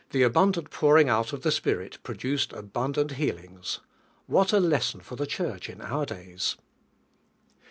dawt pouring out of the Spirit produced abundant healings. What a. lesson for I he Church in our days.